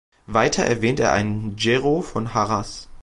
Weiter erwähnt er einen Gero von Harras.